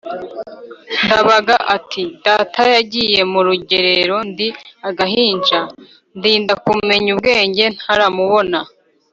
Ndabaga ati: «data yagiye murugerero ndi agahinja, ndinda kumenya ubwenge ntaramubona